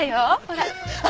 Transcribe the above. ほら。